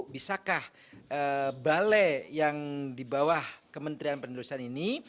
bisakah balai yang di bawah kementerian penerusan ini